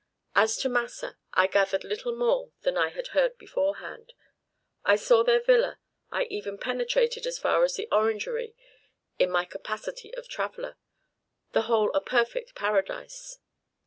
As to Massa, I gathered little more than I had heard beforehand. I saw their villa; I even penetrated as far as the orangery in my capacity of traveller, the whole a perfect Paradise.